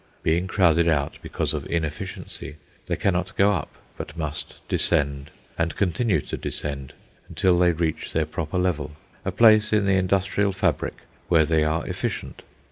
Being crowded out because of inefficiency, they cannot go up, but must descend, and continue to descend, until they reach their proper level, a place in the industrial fabric where they are efficient.